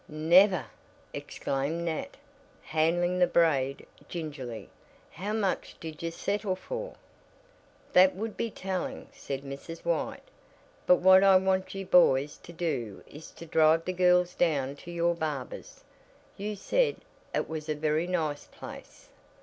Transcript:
"Never!" exclaimed Nat, handling the braid gingerly. "How much did you settle for?" "That would be telling," said Mrs. White, "but what I want you boys to do is to drive the girls down to your barber's. You said it was a very nice place."